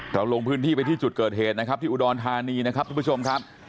ลงพื้นที่ไปที่จุดเกิดเหตุนะครับที่อุดรธานีนะครับทุกผู้ชมครับ